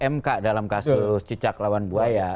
mk dalam kasus cicak lawan buaya